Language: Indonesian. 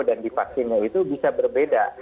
dan di vaksinnya itu bisa berbeda